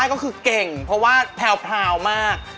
ก็คือเก่งเพราะว่าแพรวมาก